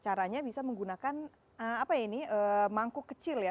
caranya bisa menggunakan mangkuk kecil ya